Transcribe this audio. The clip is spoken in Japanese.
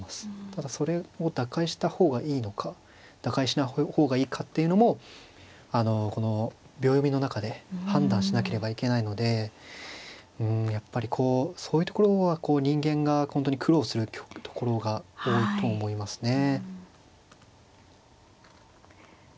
ただそれを打開した方がいいのか打開しない方がいいのかっていうのもこの秒読みの中で判断しなければいけないのでうんやっぱりそういうところは人間が本当に苦労するところが多いと思いますね。